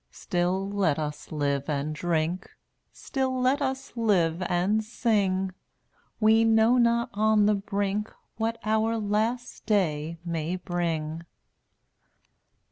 Still, let us live and drink, Still, let us live and sing; We know not on the brink What our last day may bring.